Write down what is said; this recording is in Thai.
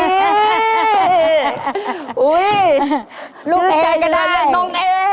ชื่อใจเลยนะน้องเอ